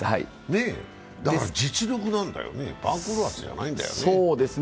だから実力なんだよね番狂わせじゃないんだよね。